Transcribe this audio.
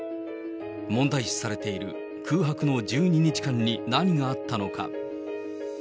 問題視されている空白の１２日間に何があったのか。